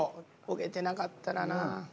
焦げてなかったらな。